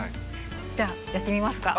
じゃあやってみますか。